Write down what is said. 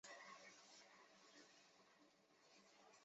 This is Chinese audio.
李翱为唐代贞元十四年进士。